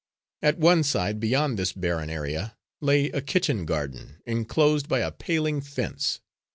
At one side, beyond this barren area, lay a kitchen garden, enclosed by a paling fence.